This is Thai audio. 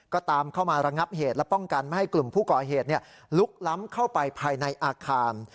ก็ตามเข้ามาระงับเหตุและป้องกันไม่ให้กลุ่มผู้ก่อเหตุลุกล้ำเข้าไปภายในอาคาร